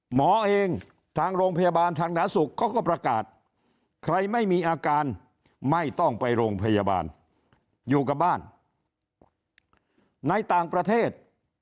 หมอเองทางโรงพยาบาลทางหนาสุขเขาก็ประกาศใครไม่มีอาการไม่ต้องไปโรงพยาบาลอยู่กับบ้านในต่างประเทศ